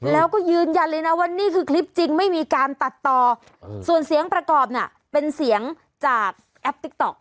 แล้วก็ยืนยันเลยนะว่านี่คือคลิปจริงไม่มีการตัดต่อส่วนเสียงประกอบน่ะเป็นเสียงจากแอปติ๊กต๊อก